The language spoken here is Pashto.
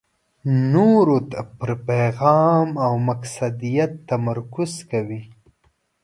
نورو ته پر پېغام او مقصدیت تمرکز کوي.